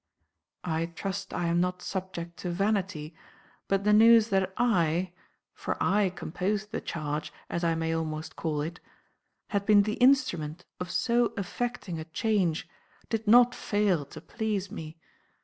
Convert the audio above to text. I trust I am not subject to vanity; but the news that I (for I composed the Charge, as I may almost call it) had been the instrument of so affecting a change did not fail to please me.